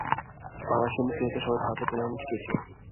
বাংলাদেশের মুক্তিযুদ্ধের সময় ভারতের প্রধানমন্ত্রী কে ছিলেন?